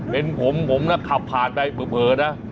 เป็นผมผมนะขับผ่านไปเผลอนะ